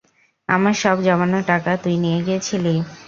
আমার সব জমানো টাকা তুই নিয়ে গিয়েছিলি।